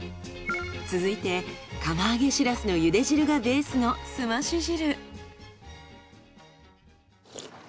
続いて釜揚げシラスの茹で汁がベースのすまし汁。